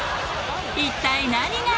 一体何が？